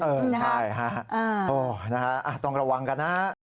ใช่ค่ะต้องระวังกันนะ